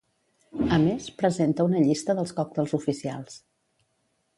A més, presenta una llista dels còctels oficials.